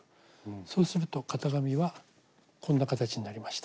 そうすると型紙はこんな形になりました。